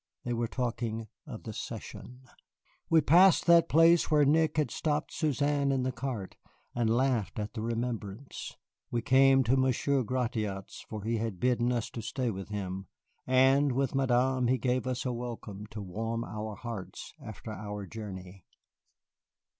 They were talking of the Cession. We passed that place where Nick had stopped Suzanne in the cart, and laughed at the remembrance. We came to Monsieur Gratiot's, for he had bidden us to stay with him. And with Madame he gave us a welcome to warm our hearts after our journey.